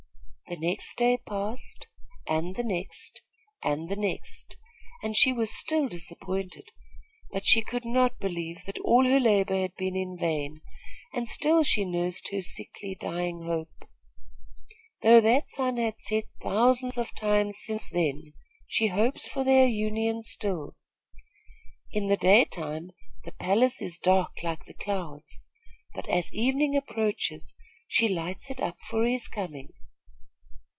The next day passed, and the next, and the next, and she was still disappointed; but she could not believe that all her labor had been in vain, and still she nursed her sickly, dying hope. Though that sun has set thousands of times since then, she hopes for their union still. In the day time the palace is dark like the clouds; but, as evening approaches, she lights it up for his coming.